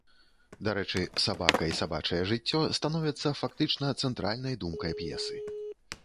Дарэчы, сабака і сабачае жыццё становяцца фактычна цэнтральнай думкай п'есы.